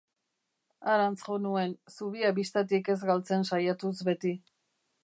Harantz jo nuen, zubia bistatik ez galtzen saiatuz beti.